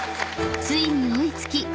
［ついに追い付き］